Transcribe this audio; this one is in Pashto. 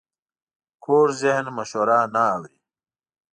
کوږ ذهن مشوره نه اوري